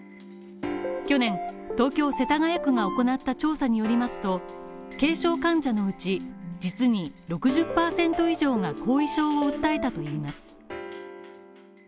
去年、東京・世田谷区が行った調査によりますと軽症患者のうち実に６０％以上が後遺症を訴えたといいます。